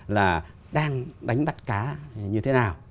là đang đánh bắt cá như thế nào